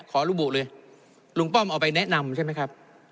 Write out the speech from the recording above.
ขอระบุเลยลุงป้อมเอาไปแนะนำใช่ไหมครับ